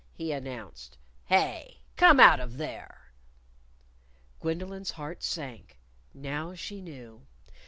he announced. "Hey! Come out of there!" Gwendolyn's heart sank. Now she knew.